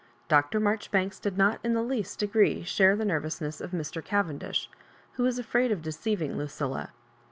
Dr. Mar joribanks did not in the least degree share the nervousness of Mn Cavendish, who was afraid of deceiving Lucilla.